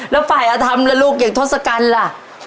แล้วฝ่ายอาธรรมล่ะลูกอย่างทศกัณฐ์ล่ะ